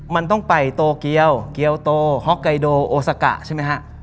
มันต้องไปโตเกียวเรียลโตโฮะไกโดโอสัก่ะใช่มั้ยฮะ